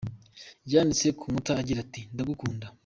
Yanditse ku nkuta agira ati ‘Ndagukunda”.